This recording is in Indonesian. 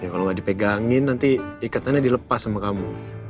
ya kalau gak dipegangin nanti ikatannya dilepas sama kamu